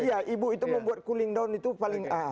iya ibu itu membuat cooling down itu paling